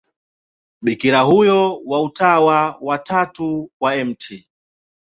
Bikira huyo wa Utawa wa Tatu wa Mt.